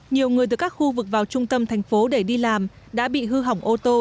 nhiều người từ các khu vực vào trung tâm thành phố để đi làm đã bị hư hỏng ô tô